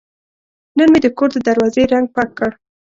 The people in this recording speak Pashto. نن مې د کور د دروازې رنګ پاک کړ.